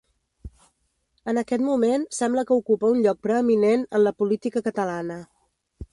En aquest moment sembla que ocupa un lloc preeminent en la política catalana.